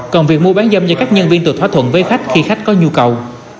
còn việc mua bán dâm do các nhân viên tự thỏa thuận với khách khi khách có nhu cầu